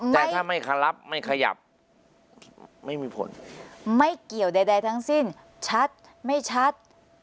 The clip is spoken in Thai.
แต่ถ้าไม่ขลับไม่ขยับไม่มีผลไม่เกี่ยวใดทั้งสิ้นชัดไม่ชัด